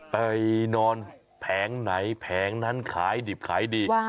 ไปนอนแผงไหนแผงนั้นขายดิบขายดี